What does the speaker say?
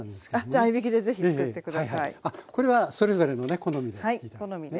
あっこれはそれぞれのね好みで。